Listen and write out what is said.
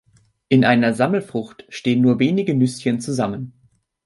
In einer Sammelfrucht stehen nur wenige Nüsschen zusammen.